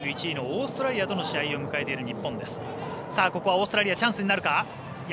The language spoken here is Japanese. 世界ランキング１位のオーストラリアとの試合を迎えている日本です。